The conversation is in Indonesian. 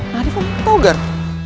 nadif apa tau gak